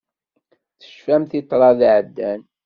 Tecfamt i ṭṭrad iɛeddan.